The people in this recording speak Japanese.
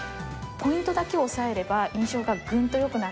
ポイントだけを押さえれば、印象がぐんとよくなる。